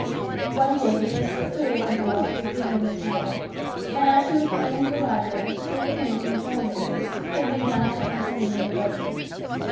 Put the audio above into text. One day Rhena slipped away from her while she was busy in this manner, and as she was going into the library, Stuart came in from the drawing room. He had been down superintending the new building.